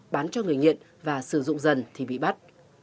bán cho người nghiện và sử dụng dần thì bị bắt